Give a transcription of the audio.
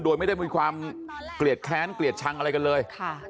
โดยไม่ได้มีความเกลียดแค้นเกลียดชังอะไรกันเลย